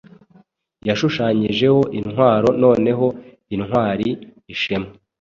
Yashushanyijeho intwaro Noneho intwari-ishema